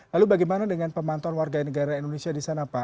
lalu bagaimana dengan pemantauan warga negara indonesia di sana pak